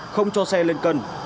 không cho xe lên cân